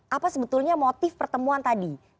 apa sebetulnya motif pertemuan tadi